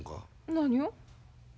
何を？